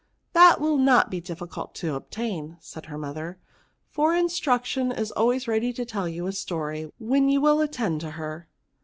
« That will not be difficult to obtain," said her mother ;for Instruction is always ready to tell you a story when you will at tend to her.